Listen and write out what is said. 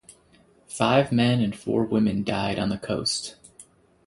Five men and four women died on the coast.